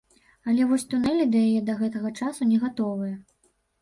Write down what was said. Але вось тунэлі да яе да гэтага часу не гатовыя.